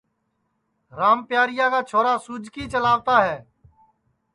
رام پیاریا کا چھورا سُوجکی چلاوتا ہے